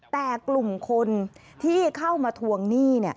แต่กลุ่มคนที่เข้ามาทวงหนี้